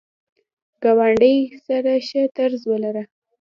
ګاونډي سره ښه طرز ولره